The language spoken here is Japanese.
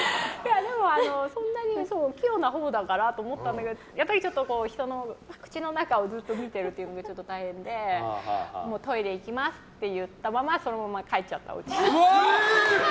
でも、器用なほうだからと思ったんだけどやっぱり人の口の中をずっと見てるっていうのが大変でトイレに行きますと言ったままそのまま帰っちゃった。